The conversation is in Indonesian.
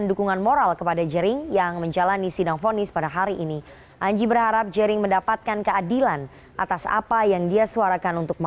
hukum jerings diizinkan masuk ke ruang sidang